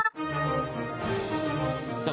さあ